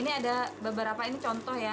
ini ada beberapa ini contoh ya